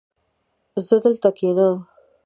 زه دلته کښېنم